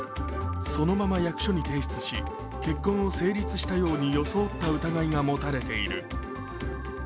そのまま役所に提出し、結婚を成立したように装った疑いが持たれている。